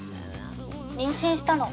妊娠したの。